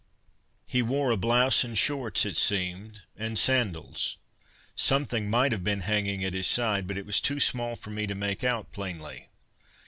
He wore a blouse and shorts, it seemed, and sandals. Something might have been hanging at his side, but it was too small for me to make out plainly.